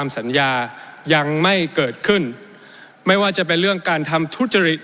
สัญญายังไม่เกิดขึ้นไม่ว่าจะเป็นเรื่องการทำทุจริต